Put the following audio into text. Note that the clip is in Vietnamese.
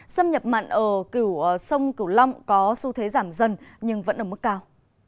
xâm nhập mặn ở sông cửu long có xu thế giảm dần nhưng vẫn ở mức cao